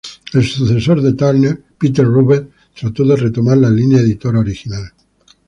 El sucesor de Turner, Peter Ruber, trató de retomar la línea editora original.